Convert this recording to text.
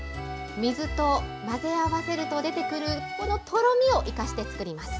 水と混ぜ合わせると出てくる、このとろみを生かして作ります。